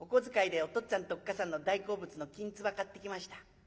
お父っつぁんとおっ母さんの大好物のきんつば買ってきました。